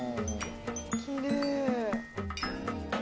きれい。